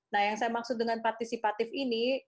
nah yang saya maksud dengan partisipatif ini